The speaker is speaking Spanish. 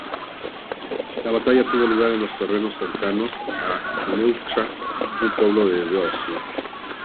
La batalla tuvo lugar en los terrenos cercanos a Leuctra, un pueblo de Beocia.